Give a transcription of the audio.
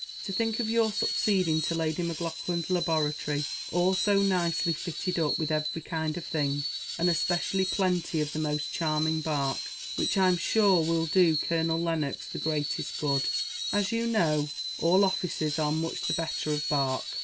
To think of your succeeding to Lady Maclaughlan's laboratory, all so nicely fitted up with every kind of thing, and especially plenty of the most charming bark, which, I'm sure, will do Colonel Lennox the greatest good, as you know all officers are much the better of bark.